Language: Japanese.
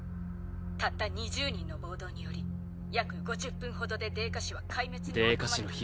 たった２０人の暴動により約５０分程で泥花市は壊滅に追い込まれたのです。